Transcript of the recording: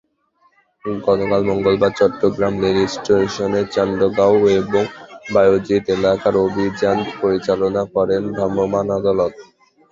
গতকাল মঙ্গলবার চট্টগ্রাম রেলস্টেশন, চান্দগাঁও এবং বায়েজিদ এলাকায় অভিযান পরিচালনা করেন ভ্রাম্যমাণ আদালত।